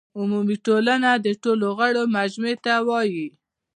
عمومي ټولنه د ټولو غړو مجموعې ته وایي.